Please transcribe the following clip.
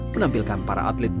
menampilkan para atlet bina